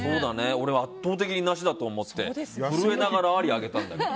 俺は圧倒的になしだと思って震えながらありを上げたんだけど。